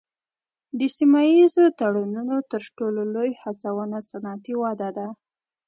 د سیمه ایزو تړونونو تر ټولو لوی هڅونه صنعتي وده ده